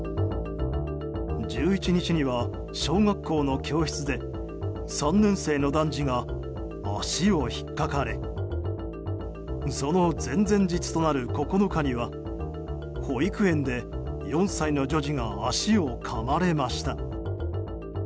１１日には、小学校の教室で３年生の男児が足を引っかかれその前々日となる９日には保育園で、４歳の女児が足をかまれました。